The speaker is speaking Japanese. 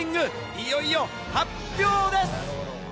いよいよ発表です。